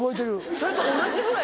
それと同じぐらい。